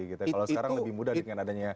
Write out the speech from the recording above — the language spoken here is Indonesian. kalau sekarang lebih mudah dengan adanya